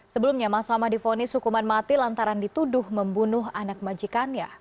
sebelumnya mas amah difonis hukuman mati lantaran dituduh membunuh anak majikannya